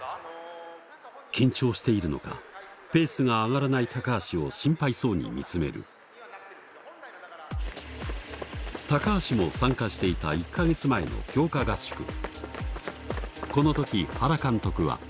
緊張しているのかペースが上がらない橋を心配そうに見つめる橋も参加していた１か月前の強化合宿